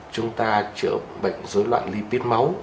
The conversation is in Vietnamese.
chúng ta chữa bệnh dối loạn lipid máu